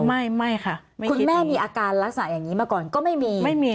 ไม่ค่ะคุณแม่มีอาการลักษณะอย่างนี้มาก่อนก็ไม่มีไม่มี